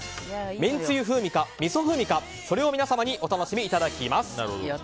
めんつゆ風味かみそ風味か、それを皆様にお楽しみいただきます。